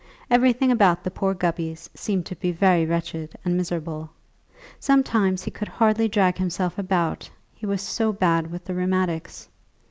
Everything about the poor Gubbys seemed to be very wretched and miserable. Sometimes he could hardly drag himself about, he was so bad with the rheumatics.